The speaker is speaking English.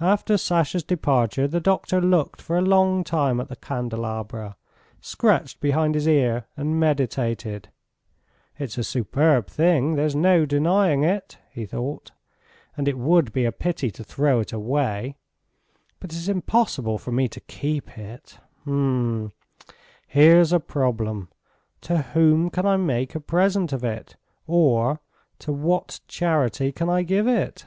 After Sasha's departure the doctor looked for a long time at the candelabra, scratched behind his ear and meditated. "It's a superb thing, there's no denying it," he thought, "and it would be a pity to throw it away. ... But it's impossible for me to keep it. ... H'm! ... Here's a problem! To whom can I make a present of it, or to what charity can I give it?"